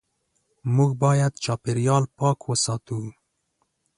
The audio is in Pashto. موږ باید چاپېریال پاک وساتو.